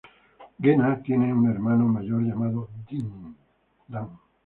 Geena tiene un hermano mayor llamado Dan.